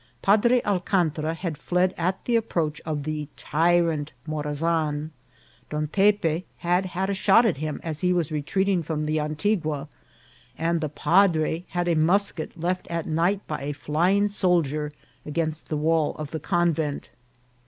Padre Alcantra had fled at the approach of the tyrant Morazan ; Don Pepe had had a shot at him as he was retreating from the Antigua, and the padre had a musket left at night by a flying soldier against the wall of the convent.